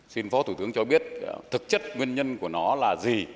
xin phó thủ tướng cho biết thực chất nguyên nhân của nó là gì